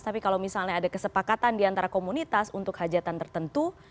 tapi kalau misalnya ada kesepakatan di antara komunitas untuk hajatan tertentu